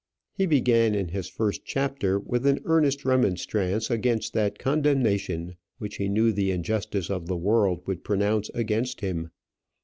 He began in his first chapter with an earnest remonstrance against that condemnation which he knew the injustice of the world would pronounce against him.